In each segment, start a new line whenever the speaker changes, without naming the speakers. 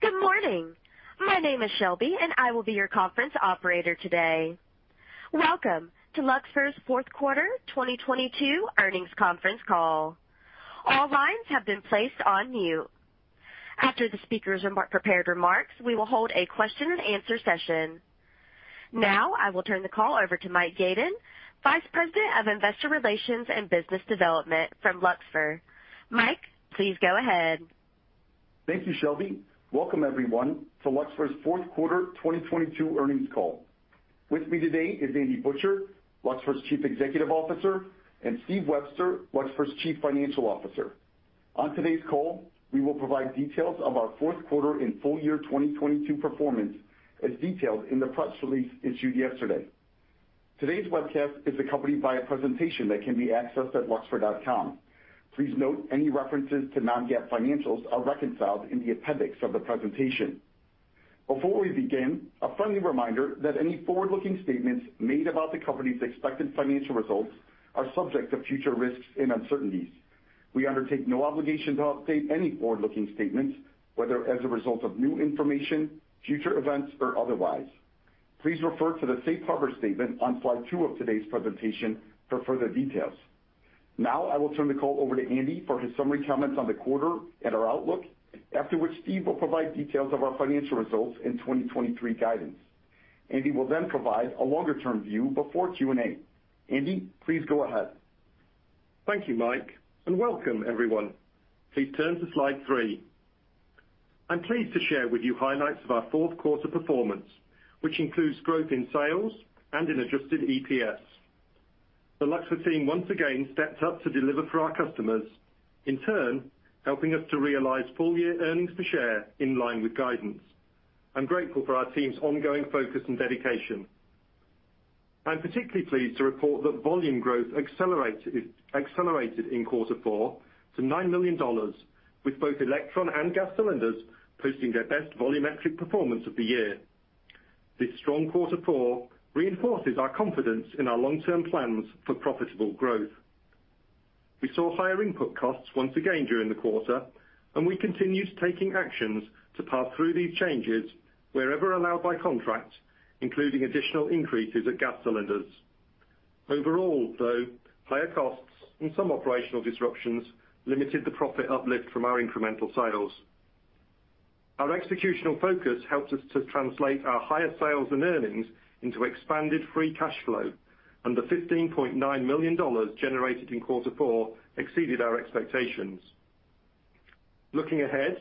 Good morning. My name is Shelby. I will be your conference operator today. Welcome to Luxfer's fourth quarter 2022 earnings conference call. All lines have been placed on mute. After the speakers' prepared remarks, we will hold a question-and-answer session. I will turn the call over to Mike Gaiden, Vice President of Investor Relations and Business Development from Luxfer. Mike, please go ahead.
Thank you, Shelby. Welcome everyone to Luxfer's fourth quarter 2022 earnings call. With me today is Andy Butcher, Luxfer's Chief Executive Officer, and Steve Webster, Luxfer's Chief Financial Officer. On today's call, we will provide details of our fourth quarter and full year 2022 performance as detailed in the press release issued yesterday. Today's webcast is accompanied by a presentation that can be accessed at luxfer.com. Please note, any references to non-GAAP financials are reconciled in the appendix of the presentation. Before we begin, a friendly reminder that any forward-looking statements made about the company's expected financial results are subject to future risks and uncertainties. We undertake no obligation to update any forward-looking statements, whether as a result of new information, future events, or otherwise. Please refer to the safe harbor statement on slide two of today's presentation for further details. I will turn the call over to Andy for his summary comments on the quarter and our outlook. After which, Steve will provide details of our financial results in 2023 guidance. Andy will then provide a longer-term view before Q&A. Andy, please go ahead.
Thank you, Mike, and welcome everyone. Please turn to slide three. I'm pleased to share with you highlights of our fourth quarter performance, which includes growth in sales and in adjusted EPS. The Luxfer team once again stepped up to deliver for our customers, in turn, helping us to realize full year earnings per share in line with guidance. I'm grateful for our team's ongoing focus and dedication. I'm particularly pleased to report that volume growth accelerated in quarter four to $9 million, with both Elektron and Gas Cylinders posting their best volumetric performance of the year. This strong quarter four reinforces our confidence in our long-term plans for profitable growth. We saw higher input costs once again during the quarter, and we continued taking actions to pass through these changes wherever allowed by contract, including additional increases at Gas Cylinders. Overall, though, higher costs and some operational disruptions limited the profit uplift from our incremental sales. Our executional focus helped us to translate our higher sales and earnings into expanded free cash flow, and the $15.9 million generated in quarter four exceeded our expectations. Looking ahead,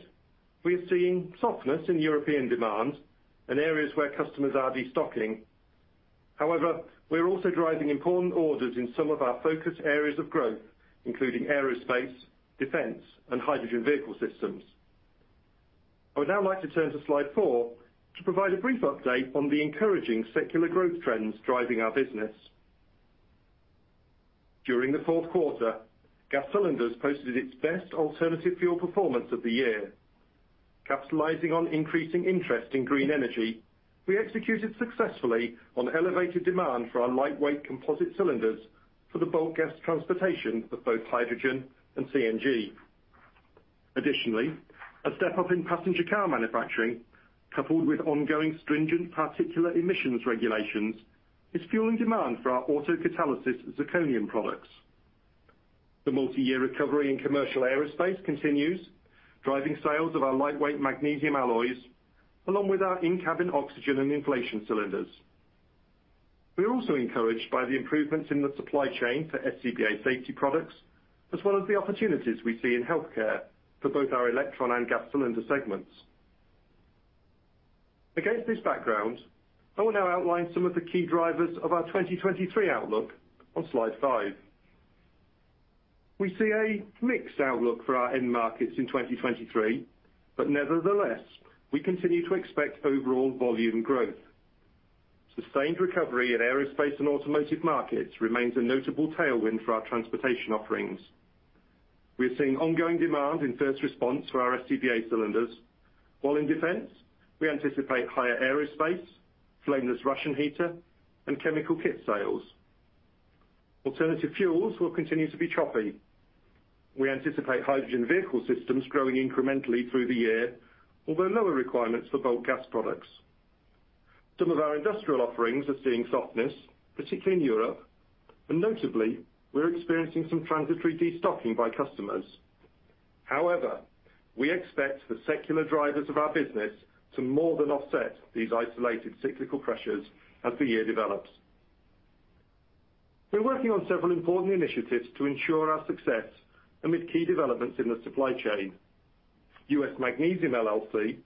we have seen softness in European demand in areas where customers are destocking. However, we're also driving important orders in some of our focus areas of growth, including aerospace, defense, and hydrogen fuel systems. I would now like to turn to slide four to provide a brief update on the encouraging secular growth trends driving our business. During the fourth quarter, Gas Cylinders posted its best alternative fuel performance of the year. Capitalizing on increasing interest in green energy, we executed successfully on elevated demand for our lightweight composite cylinders for the bulk gas transportation of both hydrogen and CNG. Additionally, a step-up in passenger car manufacturing, coupled with ongoing stringent particulate emissions regulations, is fueling demand for our autocatalysis zirconium products. The multi-year recovery in commercial aerospace continues, driving sales of our lightweight magnesium alloys, along with our in-cabin oxygen and inflation cylinders. We are also encouraged by the improvements in the supply chain for SCBA safety products, as well as the opportunities we see in healthcare for both our Elektron and Gas Cylinders segments. Against this background, I will now outline some of the key drivers of our 2023 outlook on slide five. We see a mixed outlook for our end markets in 2023, but nevertheless, we continue to expect overall volume growth. Sustained recovery in aerospace and automotive markets remains a notable tailwind for our transportation offerings. We are seeing ongoing demand in first response for our SCBA cylinders, while in defense, we anticipate higher aerospace, flameless ration heater, and chemical kit sales. Alternative fuels will continue to be choppy. We anticipate hydrogen fuel systems growing incrementally through the year, although lower requirements for bulk gas products. Some of our industrial offerings are seeing softness, particularly in Europe, and notably, we're experiencing some transitory destocking by customers. However, we expect the secular drivers of our business to more than offset these isolated cyclical pressures as the year develops. We're working on several important initiatives to ensure our success amid key developments in the supply chain. U.S. Magnesium LLC,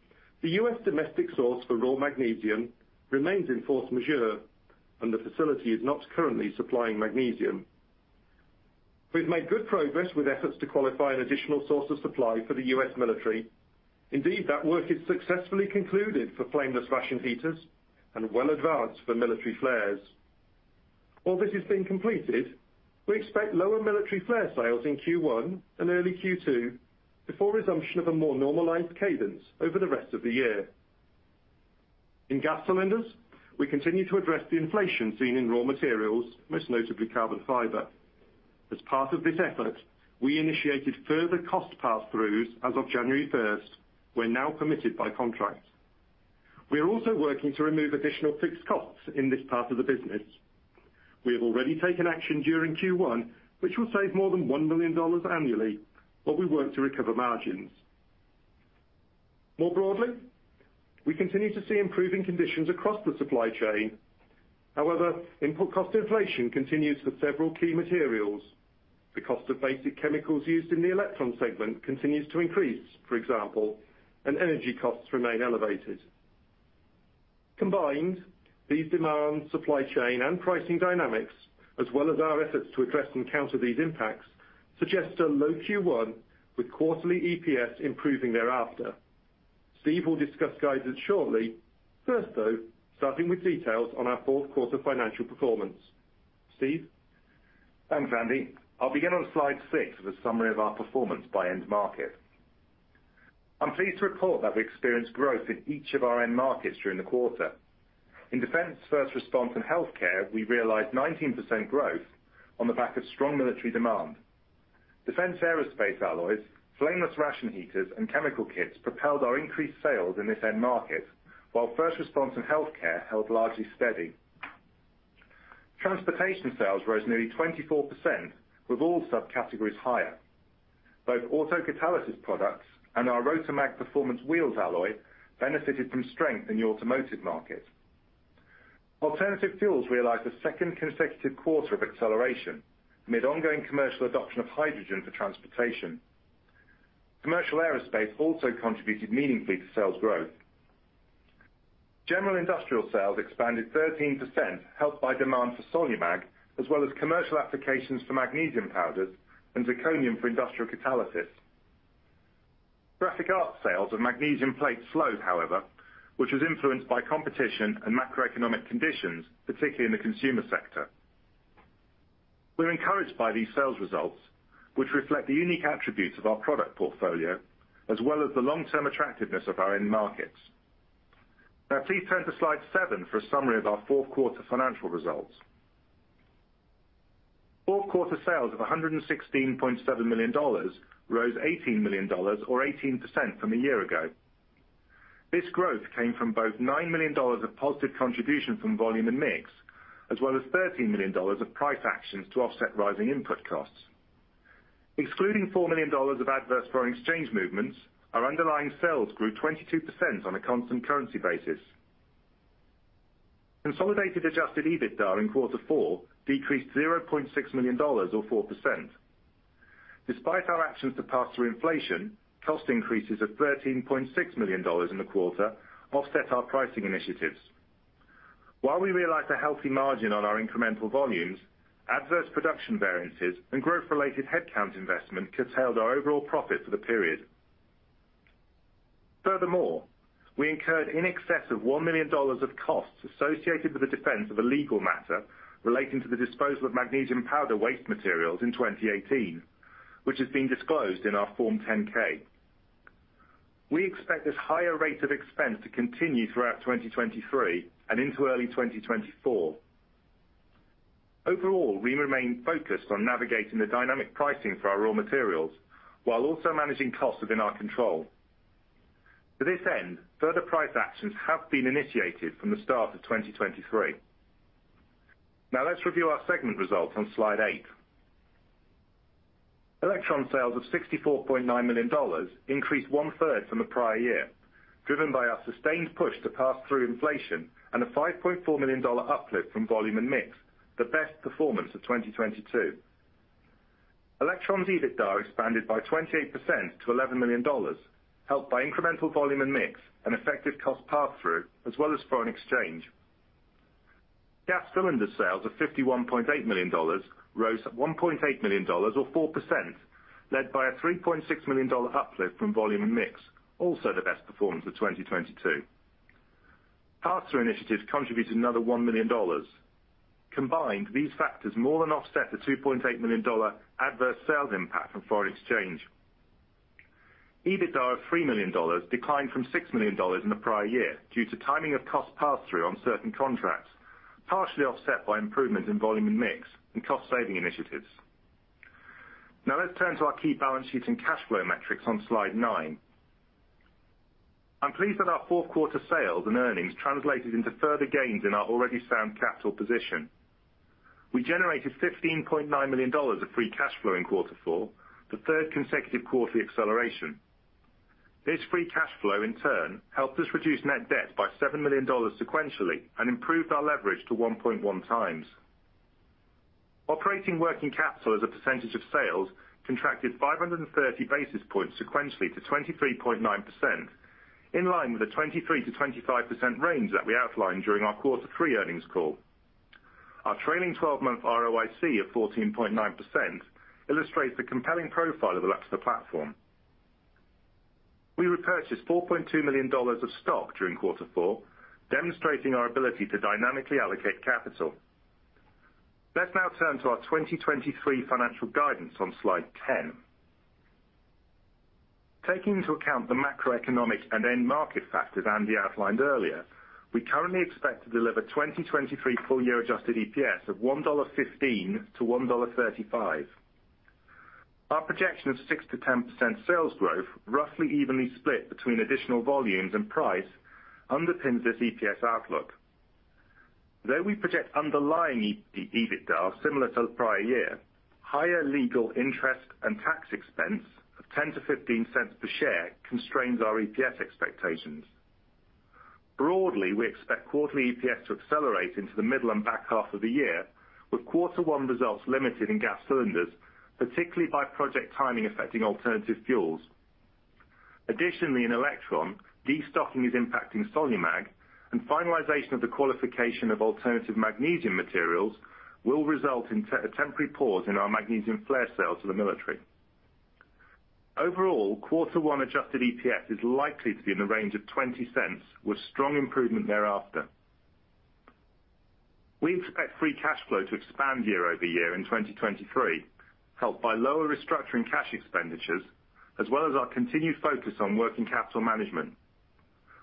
the U.S. domestic source for raw magnesium, remains in force majeure and the facility is not currently supplying magnesium. We've made good progress with efforts to qualify an additional source of supply for the U.S. military. Indeed, that work is successfully concluded for flameless ration heaters and well advanced for military flares. While this is being completed, we expect lower military flare sales in Q1 and early Q2 before resumption of a more normalized cadence over the rest of the year. In gas cylinders, we continue to address the inflation seen in raw materials, most notably carbon fiber. As part of this effort, we initiated further cost pass-throughs as of January 1st. We're now permitted by contract. We are also working to remove additional fixed costs in this part of the business. We have already taken action during Q1, which will save more than $1 million annually, while we work to recover margins. More broadly, we continue to see improving conditions across the supply chain. However, input cost inflation continues for several key materials. The cost of basic chemicals used in the Elektron segment continues to increase, for example, and energy costs remain elevated. Combined, these demand, supply chain and pricing dynamics, as well as our efforts to address and counter these impacts, suggest a low Q1 with quarterly EPS improving thereafter. Steve will discuss guidance shortly. Starting with details on our fourth quarter financial performance. Steve?
Thanks, Andy. I'll begin on slide six with a summary of our performance by end market. I'm pleased to report that we experienced growth in each of our end markets during the quarter. In defense, first response and healthcare, we realized 19% growth on the back of strong military demand. Defense aerospace alloys, flameless ration heaters and chemical kits propelled our increased sales in this end market, while first response and healthcare held largely steady. Transportation sales rose nearly 24%, with all subcategories higher. Both autocatalysis products and our RotaMag Performance Wheels alloy benefited from strength in the automotive market. Alternative fuels realized a second consecutive quarter of acceleration amid ongoing commercial adoption of hydrogen for transportation. Commercial aerospace also contributed meaningfully to sales growth. General industrial sales expanded 13%, helped by demand for SoniMag, as well as commercial applications for magnesium powders and zirconium for industrial catalysis. Graphic arts sales of magnesium plates slowed, however, which was influenced by competition and macroeconomic conditions, particularly in the consumer sector. We're encouraged by these sales results, which reflect the unique attributes of our product portfolio, as well as the long-term attractiveness of our end markets. Please turn to slide seven for a summary of our fourth quarter financial results. Fourth quarter sales of $116.7 million rose $18 million or 18% from a year ago. This growth came from both $9 million of positive contribution from volume and mix, as well as $13 million of price actions to offset rising input costs. Excluding $4 million of adverse foreign exchange movements, our underlying sales grew 22% on a constant currency basis. Consolidated adjusted EBITDA in quarter four decreased $0.6 million or 4%. Despite our actions to pass through inflation, cost increases of $13.6 million in the quarter offset our pricing initiatives. While we realized a healthy margin on our incremental volumes, adverse production variances and growth-related headcount investment curtailed our overall profit for the period. Furthermore, we incurred in excess of $1 million of costs associated with the defense of a legal matter relating to the disposal of magnesium powder waste materials in 2018, which has been disclosed in our Form 10-K. We expect this higher rate of expense to continue throughout 2023 and into early 2024. Overall, we remain focused on navigating the dynamic pricing for our raw materials while also managing costs within our control. To this end, further price actions have been initiated from the start of 2023. Let's review our segment results on slide eight. Elektron sales of $64.9 million increased one-third from the prior year, driven by our sustained push to pass through inflation and a $5.4 million uplift from volume and mix, the best performance of 2022. Elektron's EBITDA expanded by 28% to $11 million, helped by incremental volume and mix and effective cost pass through, as well as foreign exchange. Gas Cylinders sales of $51.8 million rose at $1.8 million or 4%, led by a $3.6 million uplift from volume and mix, also the best performance of 2022. Pass-through initiatives contributed another $1 million. Combined, these factors more than offset the $2.8 million adverse sales impact from foreign exchange. EBITDA of $3 million declined from $6 million in the prior year due to timing of cost pass through on certain contracts, partially offset by improvements in volume and mix and cost saving initiatives. Let's turn to our key balance sheet and cash flow metrics on slide nine. I'm pleased that our fourth quarter sales and earnings translated into further gains in our already sound capital position. We generated $15.9 million of free cash flow in quarter four, the third consecutive quarterly acceleration. This free cash flow in turn helped us reduce net debt by $7 million sequentially and improved our leverage to 1.1x. Operating working capital as a percentage of sales contracted 530 basis points sequentially to 23.9%, in line with the 23%-25% range that we outlined during our Q3 earnings call. Our trailing twelve-month ROIC of 14.9% illustrates the compelling profile of Elektron platform. We repurchased $4.2 million of stock during Q4, demonstrating our ability to dynamically allocate capital. Let's now turn to our 2023 financial guidance on slide 10. Taking into account the macroeconomic and end market factors Andy outlined earlier, we currently expect to deliver 2023 full year adjusted EPS of $1.15-$1.35. Our projection of 6%-10% sales growth roughly evenly split between additional volumes and price underpins this EPS outlook. Though we project underlying EBITDA similar to the prior year, higher legal interest and tax expense of $0.10-$0.15 per share constrains our EPS expectations. Broadly, we expect quarterly EPS to accelerate into the middle and back half of the year, with Q1 results limited in Gas Cylinders, particularly by project timing affecting alternative fuels. Additionally, in Elektron, destocking is impacting SoluMag and finalization of the qualification of alternative magnesium materials will result in a temporary pause in our magnesium flare sales to the military. Overall, Q1 adjusted EPS is likely to be in the range of $0.20, with strong improvement thereafter. We expect free cash flow to expand year-over-year in 2023, helped by lower restructuring cash expenditures as well as our continued focus on working capital management.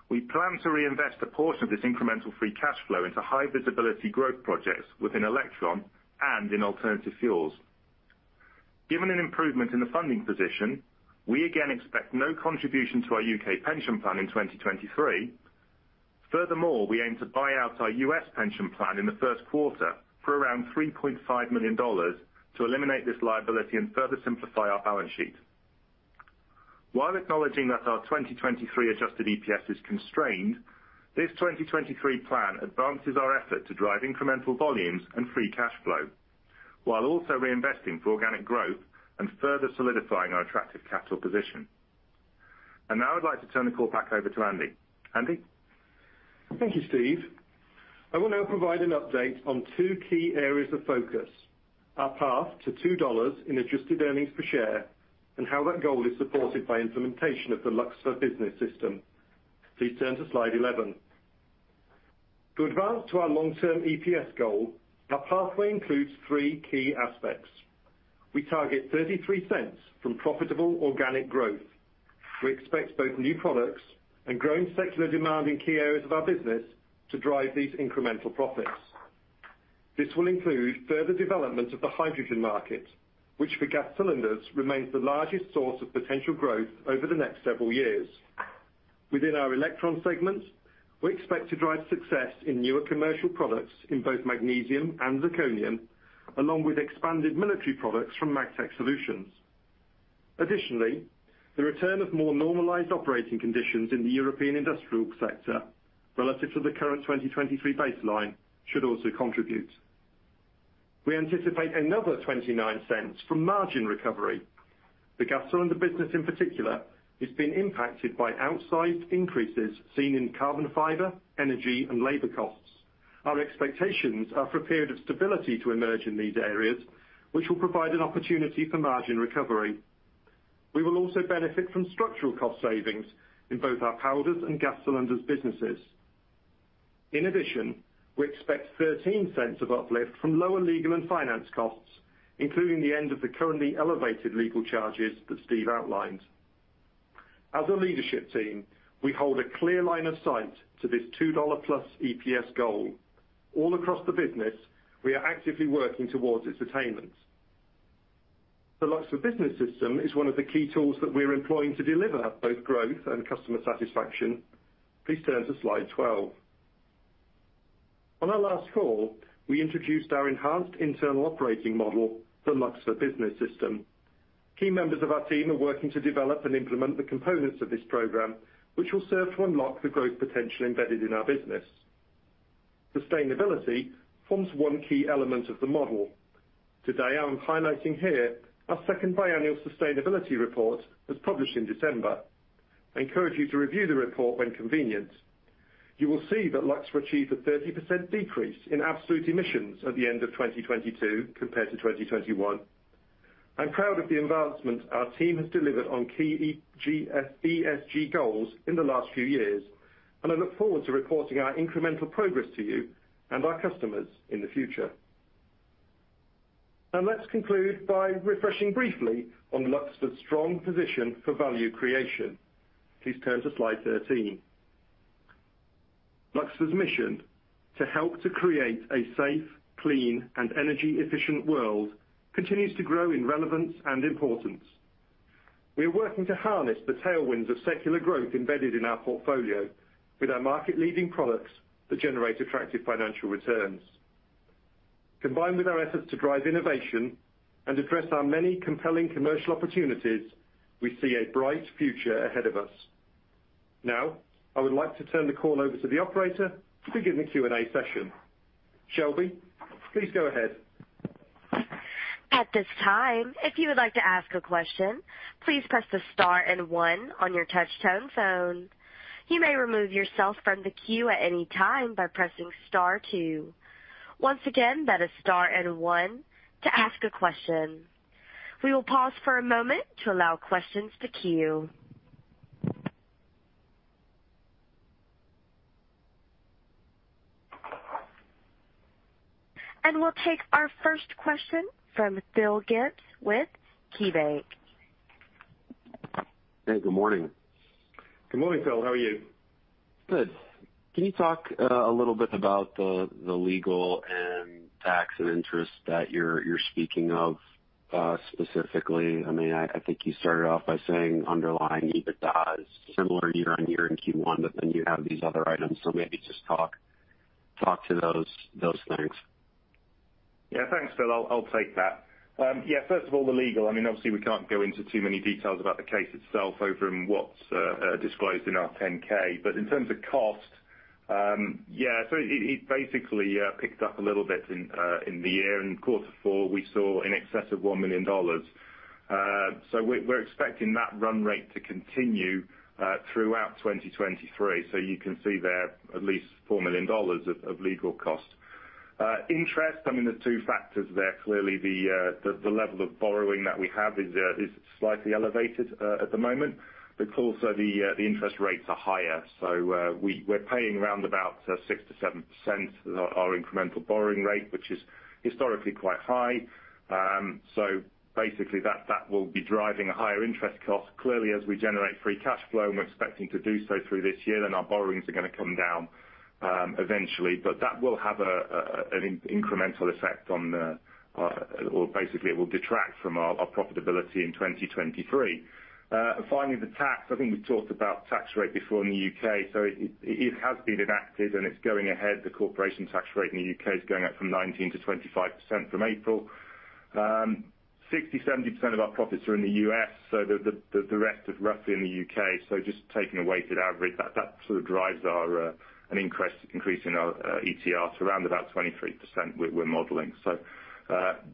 We plan to reinvest a portion of this incremental free cash flow into high visibility growth projects within Elektron and in alternative fuels. Given an improvement in the funding position, we again expect no contribution to our U.K. pension plan in 2023. Furthermore, we aim to buy out our U.S. pension plan in the first quarter for around $3.5 million to eliminate this liability and further simplify our balance sheet. While acknowledging that our 2023 adjusted EPS is constrained, this 2023 plan advances our effort to drive incremental volumes and free cash flow while also reinvesting for organic growth and further solidifying our attractive capital position. Now I'd like to turn the call back over to Andy. Andy?
Thank you, Steve. I will now provide an update on two key areas of focus: our path to $2 in adjusted earnings per share, and how that goal is supported by implementation of the Luxfer Business System. Please turn to slide 11. To advance to our long-term EPS goal, our pathway includes three key aspects. We target $0.33 from profitable organic growth. We expect both new products and growing secular demand in key areas of our business to drive these incremental profits. This will include further development of the hydrogen market, which for Gas Cylinders remains the largest source of potential growth over the next several years. Within our Elektron segments, we expect to drive success in newer commercial products in both magnesium and zirconium, along with expanded military products from Luxfer Magtech. The return of more normalized operating conditions in the European industrial sector relative to the current 2023 baseline should also contribute. We anticipate another $0.29 from margin recovery. The Gas Cylinders business in particular has been impacted by outsized increases seen in carbon fiber, energy and labor costs. Our expectations are for a period of stability to emerge in these areas, which will provide an opportunity for margin recovery. We will also benefit from structural cost savings in both our powders and Gas Cylinders businesses. We expect $0.13 of uplift from lower legal and finance costs, including the end of the currently elevated legal charges that Steve outlined. As a leadership team, we hold a clear line of sight to this $2+ EPS goal. All across the business, we are actively working towards its attainment. The Luxfer Business System is one of the key tools that we're employing to deliver both growth and customer satisfaction. Please turn to slide 12. On our last call, we introduced our enhanced internal operating model, the Luxfer Business System. Key members of our team are working to develop and implement the components of this program, which will serve to unlock the growth potential embedded in our business. Sustainability forms one key element of the model. Today, I'm highlighting here our second biannual sustainability report that's published in December. I encourage you to review the report when convenient. You will see that Luxfer achieved a 30% decrease in absolute emissions at the end of 2022 compared to 2021. I'm proud of the advancement our team has delivered on key ESG goals in the last few years, I look forward to reporting our incremental progress to you and our customers in the future. Let's conclude by refreshing briefly on Luxfer's strong position for value creation. Please turn to slide 13. Luxfer's mission, to help to create a safe, clean, and energy efficient world, continues to grow in relevance and importance. We are working to harness the tailwinds of secular growth embedded in our portfolio with our market leading products that generate attractive financial returns. Combined with our efforts to drive innovation and address our many compelling commercial opportunities, we see a bright future ahead of us. Now, I would like to turn the call over to the operator to begin the Q&A session. Shelby, please go ahead.
At this time, if you would like to ask a question, please press the star and one on your touch-tone phone. You may remove yourself from the queue at any time by pressing star two. Once again, that is star and one to ask a question. We will pause for a moment to allow questions to queue. We'll take our first question from Phil Gibbs with KeyBanc.
Hey, good morning.
Good morning, Phil. How are you?
Good. Can you talk a little bit about the legal and tax and interest that you're speaking of specifically? I mean, I think you started off by saying underlying EBITDA is similar year-on-year in Q1, but then you have these other items. Maybe just talk to those things.
Thanks, Phil. I'll take that. First of all, the legal, I mean, obviously, we can't go into too many details about the case itself over and what's disclosed in our 10-K. In terms of cost, it basically picked up a little bit in the year. In quarter four, we saw in excess of $1 million. We're expecting that run rate to continue throughout 2023. You can see there at least $4 million of legal costs. Interest, I mean, there's two factors there. Clearly, the level of borrowing that we have is slightly elevated at the moment because also the interest rates are higher. We're paying around about 6%-7% our incremental borrowing rate, which is historically quite high. Basically, that will be driving a higher interest cost. Clearly, as we generate free cash flow, and we're expecting to do so through this year, then our borrowings are gonna come down eventually. That will have an incremental effect on the, or basically it will detract from our profitability in 2023. Finally, the tax. I think we've talked about tax rate before in the U.K. It has been enacted, and it's going ahead. The corporation tax rate in the U.K. is going up from 19%-25% from April. 60%-70% of our profits are in the U.S., the rest is roughly in the U.K. Just taking a weighted average, that sort of drives an increase in our ETR to around about 23% we're modeling.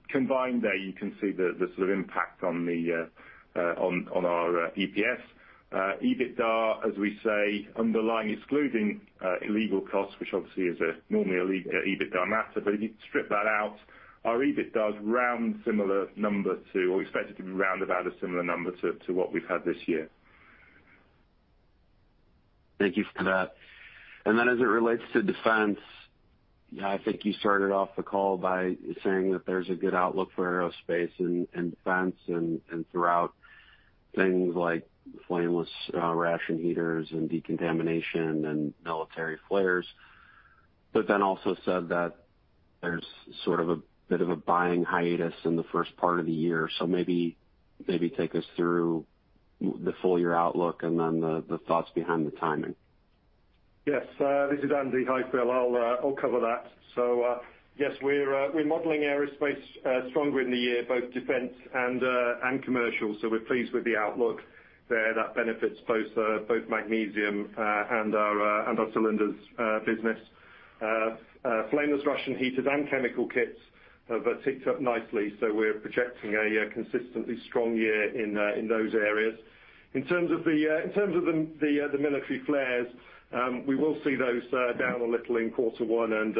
Combined there, you can see the sort of impact on our EPS. EBITDA, as we say, underlying excluding illegal costs, which obviously is normally a -EBITDA matter, but if you strip that out, our EBITDA is around similar number or expected to be round about a similar number to what we've had this year.
Thank you for that. As it relates to defense, I think you started off the call by saying that there's a good outlook for aerospace and defense and throughout things like flameless ration heaters and decontamination and military flares, also said that there's sort of a bit of a buying hiatus in the first part of the year. Maybe take us through the full year outlook and then the thoughts behind the timing.
Yes. This is Andy. Hi, Phil. I'll cover that. Yes, we're modeling aerospace stronger in the year, both defense and commercial, so we're pleased with the outlook there. That benefits both magnesium and our cylinders business. Flameless ration heaters and chemical kits have ticked up nicely, so we're projecting a consistently strong year in those areas. In terms of the military flares, we will see those down a little in quarter one and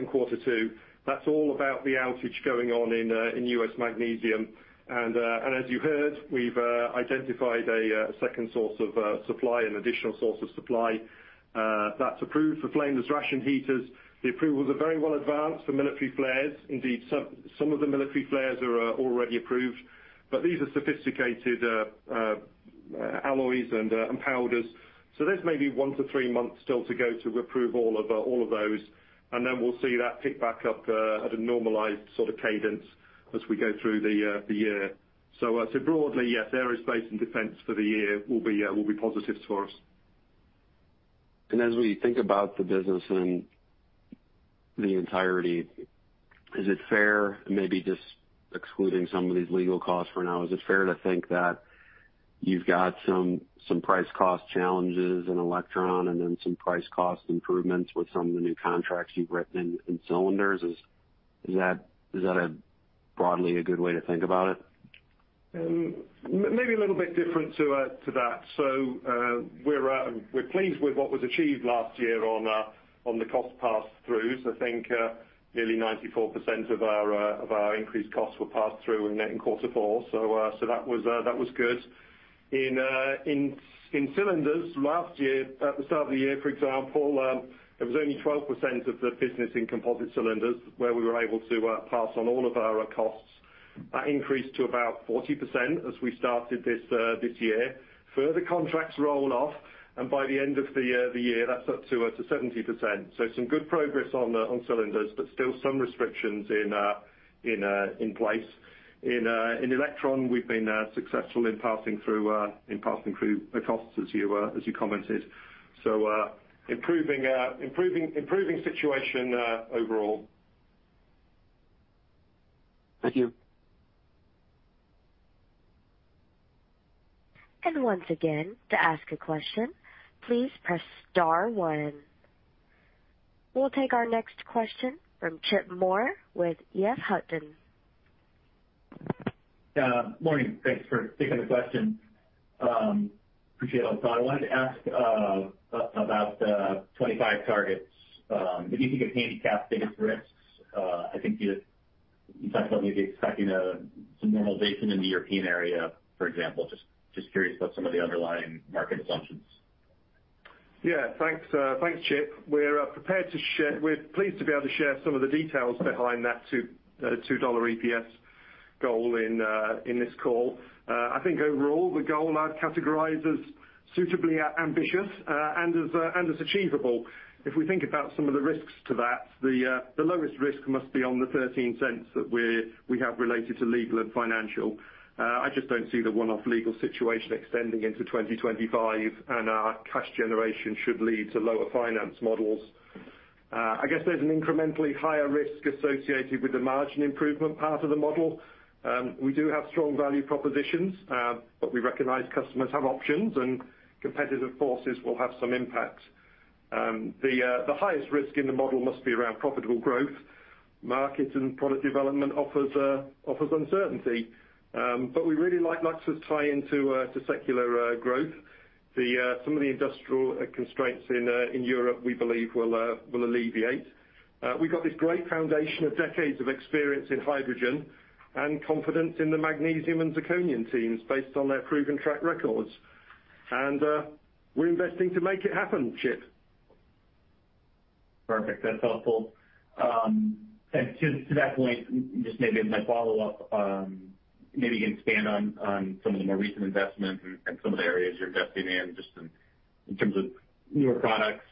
in quarter two. That's all about the outage going on in U.S. Magnesium. As you heard, we've identified a second source of supply and additional source of supply that's approved for flameless ration heaters. The approvals are very well advanced for military flares. Indeed, some of the military flares are already approved, but these are sophisticated alloys and powders. There's maybe one-three months still to go to approve all of those, and then we'll see that pick back up at a normalized sort of cadence as we go through the year. Broadly, yes, aerospace and defense for the year will be positive for us.
As we think about the business and the entirety, is it fair, and maybe just excluding some of these legal costs for now, is it fair to think that you've got some price cost challenges in Elektron and then some price cost improvements with some of the new contracts you've written in Cylinders? Is that a broadly a good way to think about it?
Maybe a little bit different to that. We're pleased with what was achieved last year on the cost pass-throughs. I think nearly 94% of our increased costs were passed through in Q4. That was good. In Cylinders, last year, at the start of the year, for example, it was only 12% of the business in composite cylinders where we were able to pass on all of our costs. That increased to about 40% as we started this year. Further contracts roll off, and by the end of the year, that's up to 70%. Some good progress on Cylinders, but still some restrictions in place. In Elektron, we've been, successful in passing through the costs as you commented. Improving situation, overall.
Thank you.
Once again, to ask a question, please press star one. We'll take our next question from Chip Moore with EF Hutton.
Morning. Thanks for taking the question. Appreciate it. I wanted to ask about the 25 targets. If you could kind of handicap biggest risks, I think you talked about maybe expecting some normalization in the European area, for example. Just curious about some of the underlying market assumptions.
Yeah. Thanks, thanks, Chip. We're pleased to be able to share some of the details behind that $2 EPS goal in this call. I think overall, the goal I'd categorize as suitably ambitious, and as achievable. If we think about some of the risks to that, the lowest risk must be on the $0.13 that we have related to legal and financial. I just don't see the one-off legal situation extending into 2025, and our cash generation should lead to lower finance models. I guess there's an incrementally higher risk associated with the margin improvement part of the model. We do have strong value propositions, but we recognize customers have options and competitive forces will have some impact. The highest risk in the model must be around profitable growth. Market and product development offers uncertainty. We really like Luxfer's tie into secular growth. Some of the industrial constraints in Europe, we believe will alleviate. We've got this great foundation of decades of experience in hydrogen and confidence in the magnesium and zirconium teams based on their proven track records. We're investing to make it happen, Chip.
Perfect. That's helpful. Just to that point, just maybe as my follow-up, maybe you can expand on some of the more recent investments and some of the areas you're investing in, just in terms of newer products,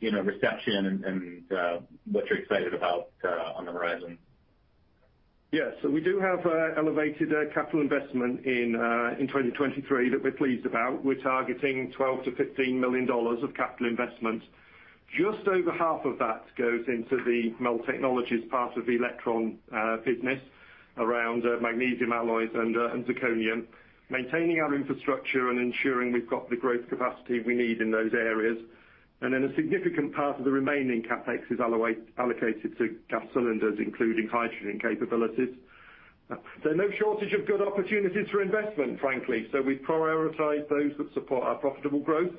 you know, reception and what you're excited about on the horizon?
Yeah. We do have elevated capital investment in 2023 that we're pleased about. We're targeting $12 million-$15 million of capital investments. Just over half of that goes into the MEL Technologies part of the Elektron business around magnesium alloys and zirconium, maintaining our infrastructure and ensuring we've got the growth capacity we need in those areas. A significant part of the remaining CapEx is allocated to Gas Cylinders, including hydrogen capabilities. No shortage of good opportunities for investment, frankly. We prioritize those that support our profitable growth,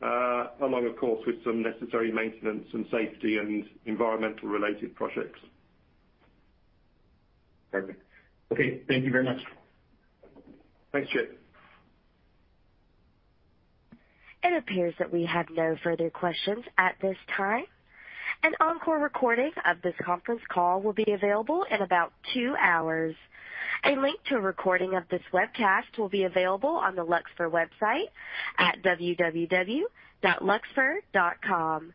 along, of course, with some necessary maintenance and safety and environmental related projects.
Perfect. Okay, thank you very much.
Thanks, Chip.
It appears that we have no further questions at this time. An encore recording of this conference call will be available in about two hours. A link to a recording of this webcast will be available on the Luxfer website at www.luxfer.com.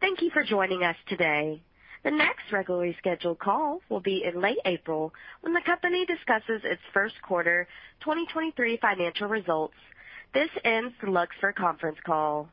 Thank you for joining us today. The next regularly scheduled call will be in late April when the company discusses its first quarter 2023 financial results. This ends the Luxfer conference call.